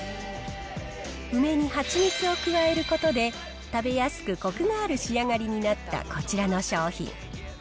梅に蜂蜜を加えることで、食べやすくこくがある仕上がりになったこちらの商品。